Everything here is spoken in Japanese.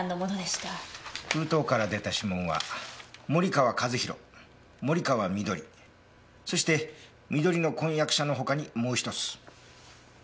封筒から出た指紋は森川和弘森川慧そして慧の婚約者の他にもう一つ。